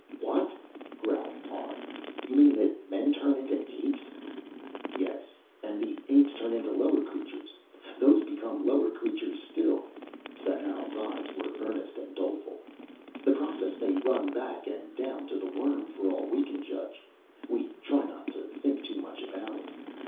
"What?" growled Parr. "You mean that men turn into apes?" "Yes. And the apes turn into lower creatures. Those become lower creatures still." Sadau's eyes were earnest and doleful. "The process may run back and down to the worm, for all we can judge. We try not to think too much about it."